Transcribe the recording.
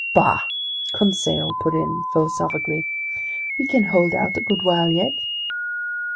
"Bah!" Conseil put in philosophically. "We can hold out a good while yet!"